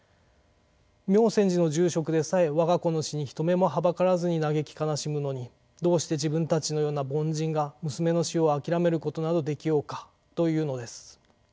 明専寺の住職でさえ我が子の死に人目もはばからずに嘆き悲しむのにどうして自分たちのような凡人が娘の死を諦めることなどできようかというのです。